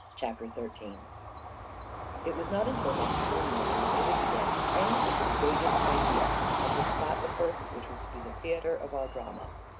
CHAPTER XIII It was not until next morning that I was able to get any but the vaguest idea of the spot of earth which was to be the theatre of our drama.